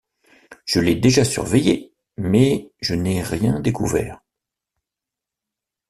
Je l’ai déjà surveillé, mais je n’ai rien découvert.